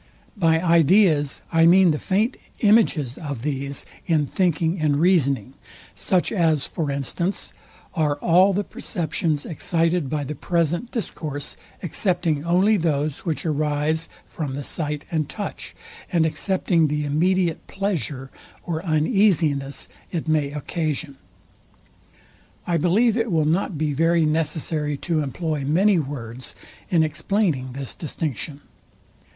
By ideas I mean the faint images of these in thinking and reasoning; such as, for instance, are all the perceptions excited by the present discourse, excepting only those which arise from the sight and touch, and excepting the immediate pleasure or uneasiness it may occasion. I believe it will not be very necessary to employ many words in explaining this distinction.